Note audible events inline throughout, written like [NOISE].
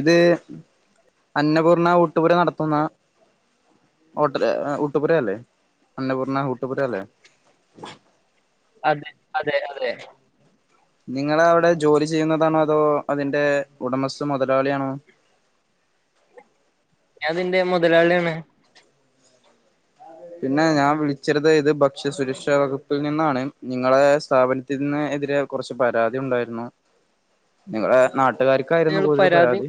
ഇത് അന്നപൂർണ ഊട്ടുപുര നടത്തുന്ന ഹോട്ടല് ഊട്ടുപുരയല്ലേ അന്നപൂർണ്ണ ഊട്ടുപുര അല്ലേ അതെ അതെ അതെ നിങ്ങള് അവിടെ ജോലി ചെയ്യുന്നതാണോ അതോ അതിന്റെ ഉടമസ്ഥൻ മുതലാളിയാണോ ഞാൻ ഇതിന്റെ മുതലാളിയാണ് പിന്നെ ഞാൻ വിളിച്ചരുത് ഇത് ഭക്ഷ്യസുരക്ഷ വകുപ്പിൽ നിന്നാണ് നിങ്ങളെ സ്ഥാപന ത്തിനെതിരെ കുറച്ച് പരാതി ഉണ്ടായിരുന്നു നിങ്ങളുടെ നാട്ടുകാർ ക്കായിരുന്നു കൂടുതൽ പരാതി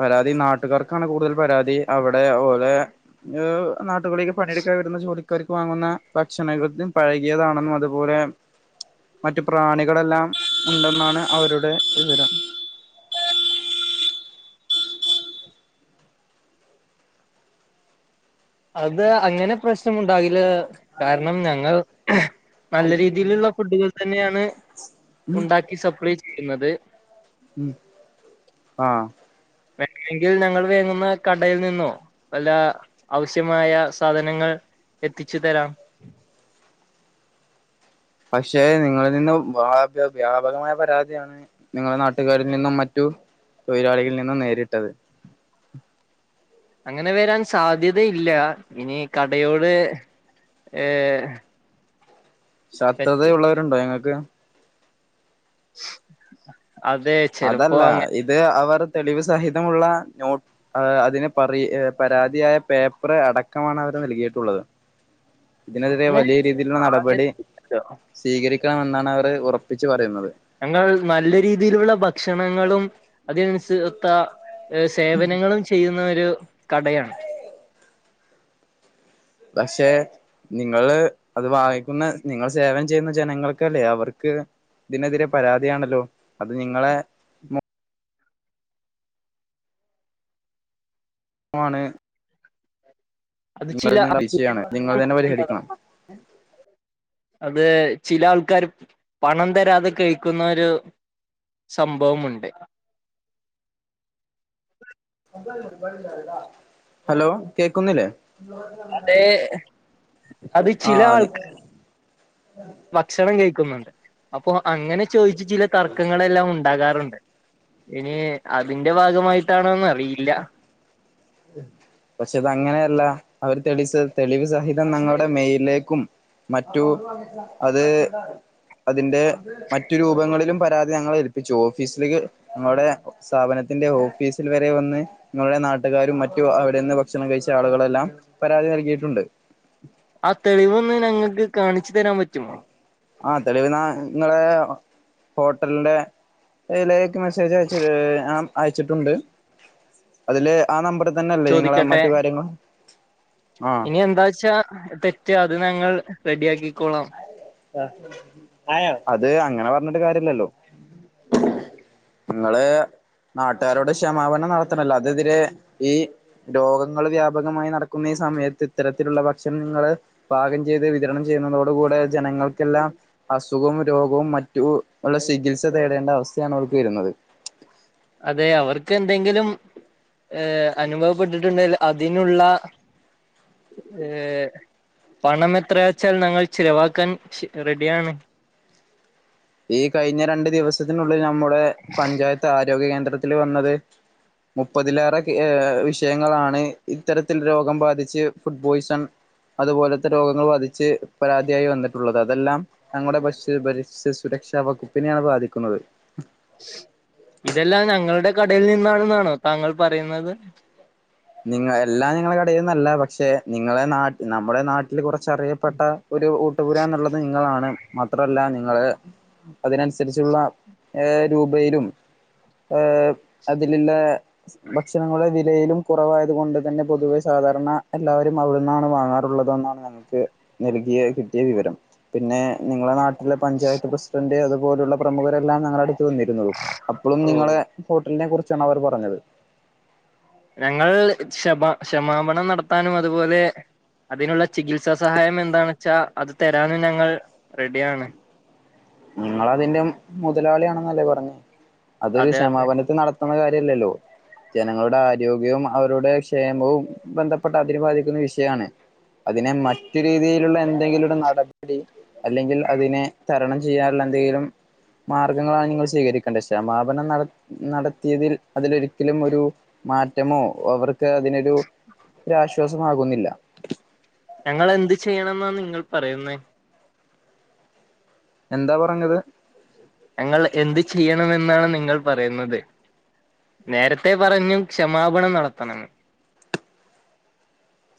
പരാതി നാട്ടുകാർക്കാണ് കൂടുതൽ പരാതി അവിടെ ഓലെ നാട്ടുകളിലേക്ക് പണിയെടുക്കൻ വരുന്ന ജോലി ക്കാർക്ക് വാങ്ങുന്ന ഭക്ഷണ [UNINTELLIGIBLE] പഴകിയതാണെന്നും അതുപോലെ മറ്റ് പ്രാണികളെല്ലാം ഉണ്ടെന്നാണ് അവരുടെ വിവരം അത് അങ്ങനെ പ്രശ്നം ഉണ്ടാകില് കാരണം ഞങ്ങൾ നല്ല രീതിയിലുള്ള ഫുഡുകൾ തന്നെയാണ് ഉണ്ടാ ക്കി സപ്ലേ ചെയ്യുന്നത് ഉം ആഹ് വേണമെങ്കിൽ ഞങ്ങൾ വാങ്ങുന്ന കടയിൽ നിന്നോ വല്ല ആവശ്യമായ സാധനങ്ങൾ എത്തിച്ച് തരാം പക്ഷെ നിങ്ങളിൽ നിന്ന് വ വ്യാപകമായ പരാതിയാണ് നിങ്ങളുടെ നാട്ടുകാരിൽ നിന്നും മറ്റു തൊഴിലാളികളിൽ നിന്നും നേരിട്ടത് അങ്ങനെ വരാൻ സാധ്യതയില്ല ഇനി കടയോട് ഏ ശത്രുത ഉള്ളവരുണ്ടോ നിങ്ങൾക്ക് അതേ അതല്ല ഇത് അവർ തെളിവ് സഹിതമുള്ള നോ ആഹ് അതിന് പറ പരാതിയായ പേപ്പർ അടക്കമാണ് അവര് നൽകിയിട്ടുള്ളത് ഇതിനെതിരെ അങ്ങനെ വലിയ രീതിയിലുള്ള നടപടി സാധ്യത സ്വീകരി ക്കണമെന്നാണ് അവര് ഉറപ്പിച്ച് പറയുന്നത് ഞങ്ങൾ നല്ല രീതിയിലുള്ള ഭക്ഷണങ്ങളും അതിനനുസൊത്ത ഏ സേവനങ്ങളും ചെയ്യുന്ന ഒരു കടയാണ് പക്ഷേ നിങ്ങള് അത് വാങ്ങിക്കുന്ന നിങ്ങൾ സേവനം ചെയ്യുന്ന ജനങ്ങൾക്കല്ലേ അവർക്ക് ഇതിനെതിരെ പരാതിയാണല്ലോ അത് നിങ്ങളെ മാണ് അത് ചില നിങ്ങളിൽ നിന്ന് പൈസയാണ് നിങ്ങൾ തന്നെ പരിഹരിക്കണം അതേ ചില ആൾക്കാര് പണം തരാതെ കഴിക്കുന്ന ഒരു സംഭവം ഉണ്ട് ഹലോ കേക്കുന്നില്ലേ അതേ അത് ചില ആഹ് ആണ് ആൾക്കാർ ഭക്ഷണം കഴിക്കുന്നുണ്ട് അപ്പൊ അങ്ങനെ ചോദിച്ച് ചില തർക്കങ്ങളെല്ലാം ഉണ്ടാകാറുണ്ട് ഇനി അതിന്റെ ഭാഗമായിട്ടാണോന്ന് അറിയില്ല ഉം പക്ഷെ അത് അങ്ങനെയല്ല അവര് തെളിയിച്ചത് തെളിവ് സഹിതം ഞങ്ങളുടെ മെയിലിലേക്കും മറ്റു അത് അതിന്റെ മറ്റു രൂപങ്ങളിലും പരാതി ഞങ്ങള് ഏൽപ്പിച്ചു ഓഫീസിലേക്ക്‌ ഞങ്ങളുടെ സ്ഥാപനത്തിന്റെ ഓഫീസിൽ വരെ വന്ന് നിങ്ങൾടെ നാട്ടുകാരും മറ്റു അവിടെന്ന് ഭക്ഷണം കഴിച്ച ആളുകളെല്ലാം പരാതി നൽകിയിട്ടുണ്ട്. ആഹ് തെളിവൊന്ന് ഞങ്ങക്ക് കാണിച്ചു തരാൻ പറ്റുമോ? ആഹ് തെളിവ്ന്നാ ഇങ്ങളെ ഹോട്ടലിന്റെ യിലേക്ക് മെസ്സേജ് അയച്ച് അം അയച്ചിട്ടുണ്ട്. അതില് ആ നമ്പറി തന്നെ അല്ലേ നിങ്ങളെ ചോദിക്കട്ടെ മറ്റു കാര്യങ്ങൾ? ആഹ് ഇനി എന്താച്ചാ തെറ്റ് അത് ഞങ്ങൾ റെഡിയാക്കിക്കോളാം. ആഹ് അത് അങ്ങനെ പറഞ്ഞിട്ട് കാര്യല്ലല്ലോ. ഇങ്ങള് നാട്ടുകാരോട് ക്ഷമാപനം നടത്തണല്ലോ അതെതിരെ ഈ രോഗങ്ങള് വ്യാപകമായി നടക്കുന്ന ഈ സമയത്ത് ഇത്തരത്തിലുള്ള ഭക്ഷണങ്ങള് പാകം ചെയ്ത് വിതരണം ചെയ്യുന്നതോട് കൂടെ ജനങ്ങൾക്കെല്ലാം അസുഖവും രോഗവും മറ്റു ഉള്ള ചികിത്സ തേടേണ്ട അവസ്ഥയാണ് ഓൽക്ക് വെരുന്നത്. അതെ അവർക്കെന്തെങ്കിലും ഏഹ് അനുഭവപ്പെട്ടിട്ട്ണ്ടേൽ അതിനുള്ള ഏഹ് പണം എത്രയാച്ചാൽ ഞങ്ങൾ ചിലവാക്കാൻ ഷ് റെഡിയാണ്. ഈ കഴിഞ്ഞ രണ്ട് ദിവസത്തിനുള്ളിൽ നമ്മുടെ പഞ്ചായത് ത്താരോഗ്യ കേന്ദ്രത്തില് വന്നത് മുപ്പതിലേറെ കേ ഏഹ് വിഷയങ്ങളാണ് ഇത്തരത്തിൽ രോഗം ബാധിച്ച് ഫുഡ് പോയ്സൺ അതുപോലത്തെ രോഗങ്ങൾ ബാധിച്ച് പരാതിയായി വന്നിട്ടുള്ളത് അതെല്ലാം ഞങ്ങടെ ഭശ്യ ഭരിഷ്യ സുരക്ഷാ വകുപ്പിനെയാണ് ബാധിക്കുന്നത്. ഇതെല്ലാം ഞങ്ങളുടെ കടയിൽ നിന്നാണെന്നാണോ താങ്കൾ പറയുന്നത്? നിങ്ങ എല്ലാം നിങ്ങടെ കടയിൽ നിന്നല്ലാ പക്ഷെ നിങ്ങളെ നാട്ട് നമ്മുടെ നാട്ടില് കൊറെ ച്ചറിയപ്പെട്ട ഒരു ഊട്ടുപുരാന്ന്ള്ളത് നിങ്ങളാണ്. മാത്രല്ലാ നിങ്ങള് അതിനനുസരിച്ചുള്ള ഏഹ് രൂപയിലും ഏഹ് അതില്ള്ള ഭക്ഷണങ്ങളുടെ വിലയിലും കുറവായത് കൊണ്ട് തന്നെ പൊതുവെ സാധാരണ എല്ലാവരും അവിടെന്നാണ് വാങ്ങാറുള്ളതെന്നാണ് നമുക്ക് നൽകിയ കിട്ടിയ വിവരം, പിന്നെ നിങ്ങളെ നാട് ലെ പഞ്ചായത്ത് പ്രസിഡന്റ് അതുപോലുള്ള പ്രമുഖരെല്ലാം ഞങ്ങടെ അടുത്ത് വന്നിരുന്നതും അപ്പളും ഓഹ് നിങ്ങളെ ഹോട്ടലിനെ കുറിച്ചാണ് അവർ പറഞ്ഞത്. ഞങ്ങൾ ക്ഷമാ ക്ഷമാപണം നടത്താനും അതുപോലെ അതിനുള്ള ചികിത്സാ സഹായം എന്താന്നെച്ചാ അത് തെരാനും ഞങ്ങൾ റെഡിയാണ്. നിങ്ങളതിന്റെ മുതലാളിയാണെന്നല്ലേ പറഞ്ഞേ അതൊരു അതെ അതെ ക്ഷമാപനത്തി നട ത്തണ കാര്യല്ലല്ലോ? ജനങ്ങളുടെ ആരോഗ്യവും അവരുടെ ക്ഷേമവും ബന്ധപ്പെട്ട അതിനു ബാധിക്കുന്ന വിഷയാണ്. അതിനെ മറ്റു രീതിയിലുള്ള എന്തെങ്കിലും ഒരു നടപടി അല്ലെങ്കിൽ അതിനെ തരണം ചെയ്യാൻള്ള എന്തെങ്കിലും മാർഗങ്ങളാണ് നിങ്ങൾ സ്വീകരിക്കേണ്ടത് ക്ഷമാപനം നടത് നടത്തിയതിൽ അതിലൊരിക്കലും ഒരു മാറ്റമോ അവർക്ക് അതിനൊരു ഒരാശ്വാസമാകുന്നില്ലാ. ഞങ്ങൾ എന്ത് ചെയ്യണെന്നാ നിങ്ങൾ പറയുന്നേ? എന്താ പറഞ്ഞത്? ഞങ്ങൾ എന്ത് ചെയ്യണമെന്നാണ് നിങ്ങൾ പറയുന്നത്? നേരത്തെ പറഞ്ഞു ക്ഷമാപണം നടത്തണെന്ന്.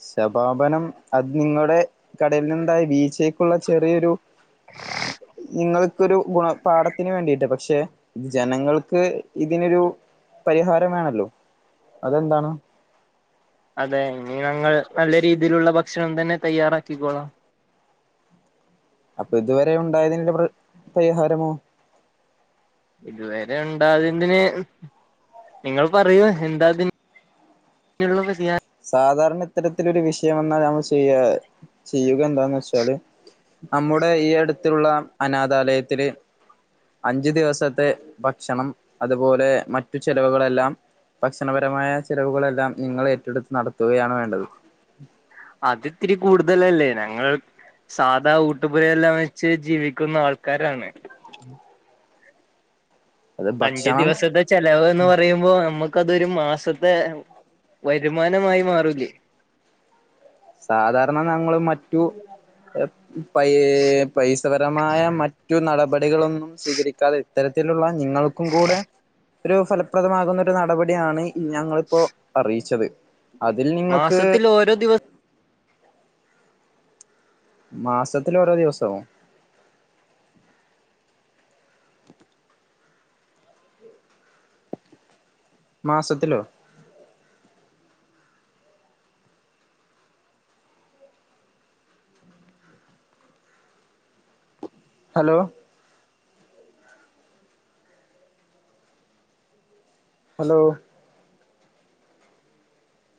ക്ഷമാപനം അത് നിങ്ങടെ കടയിൽന്ന്ണ്ടായ വീച്ചേക്കുള്ള ചെറിയൊരു നിങ്ങൾക്കൊരു ഗുണപാഠത്തിന് വേണ്ടിയിട്ടാ പക്ഷെ ഇത് ജനങ്ങൾക്ക് ഇതിനൊരു പരിഹാരം വേണല്ലോ അതെന്താണ്? അതെ ഇനി ഞങ്ങൾ നല്ല രീതിയിലുള്ള ഭക്ഷണം തന്നെ തയ്യാറാക്കിക്കോളാം. അപ്പൊ ഇതുവരെ ഉണ്ടായതിന്ല്ലെ പ്ര് പരിഹാരമോ? ഇതുവരെ ഉണ്ടാതിന് നിങ്ങൾ പറയൂ എന്താ അതി നുള്ളത് ചെയാ സാധാരണ ഇത്തരത്തിലൊരു വിഷയം വന്നാ നമ്മൾ ചെയ്യാ ചെയ്യുക എന്താന്ന് വെച്ചാല് നമ്മുടെ ഈ അടുത്തുള്ള അനാഥാലയത്തില് അഞ്ചു ദിവസത്തെ ഭക്ഷണം അതുപോലെ മറ്റു ചെലവുകളെല്ലാം ഭക്ഷണപരമായ ചെലവുകളെല്ലാം നിങ്ങൾ ഏറ്റെടുത്ത് നടത്തുകയാണ് വേണ്ടത്. അതിത്തിരി കൂടുതലല്ലേ. ഞങ്ങൾ സാധാ ഊട്ടുപുരെയെല്ലാം വെച്ച് ജീവിക്കുന്ന ആൾക്കാരാണ്. ഉം അഞ്ച് ഭക്ഷണം ദിവസത്തെ ചെലവ് ന്ന് പറയുമ്പോ നമ്മക്കതൊരു മാസത്തെ വരുമാനമായി മാറൂല്ലേ. സാധാരണ ഞങ്ങള് മറ്റു പൈ പൈസപരമായ മറ്റു നടപടികളൊന്നും സ്വീകരിക്കാതെ ഇത്തരത്തിലുള്ള നിങ്ങൾക്കും കൂടെ ഒരു ഫലപ്രദമാകുന്ന ഒരു നടപടിയാണ് ഞങ്ങളിപ്പോ അറിയിച്ചത്. അതിൽ നിങ്ങക്ക് ഓരൊ ദിവ മാസത്തില് ഓരോ ദിവസൊ? മാസത്തിലോ? Hello hello